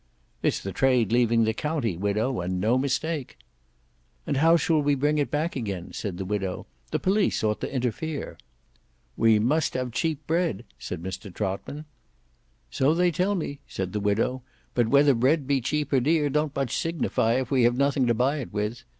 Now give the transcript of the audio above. "It's the trade leaving the county, widow, and no mistake." "And how shall we bring it back again?" said the widow; "the police ought to interfere." "We must have cheap bread," said Mr Trotman. "So they tell me," said the widow; "but whether bread be cheap or dear don't much signify, if we have nothing to buy it with.